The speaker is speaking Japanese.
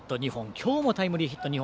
今日もタイムリーヒット２本。